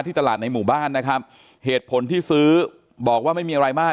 ตลาดในหมู่บ้านนะครับเหตุผลที่ซื้อบอกว่าไม่มีอะไรมาก